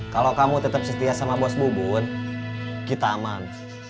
kalau kamu tetap setia sama bos bubun kita aman